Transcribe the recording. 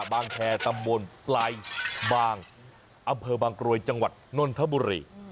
แคร์ตำบลปลายบางอำเภอบางกรวยจังหวัดนนทบุรี